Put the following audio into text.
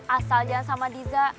asal jangan sama diza